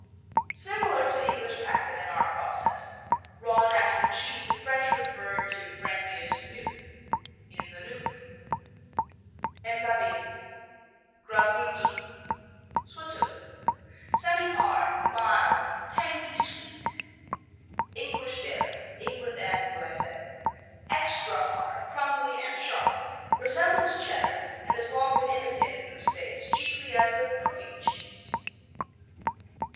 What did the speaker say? Similar to English packet and our process. Raw natural cheese the French refer to frankly as nu, "in the nude." Engadine Graubünden, Switzerland Semihard; mild; tangy sweet. English Dairy England and U.S.A. Extra hard, crumbly and sharp. Resembles Cheddar and has long been imitated in the States, chiefly as a cooking cheese.